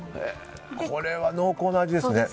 これは濃厚な味ですね。